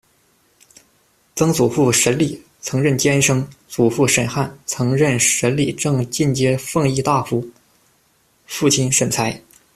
曾祖父沈礼，曾任监生；祖父沈瀚，曾任审理正进阶奉议大夫；父亲沈材。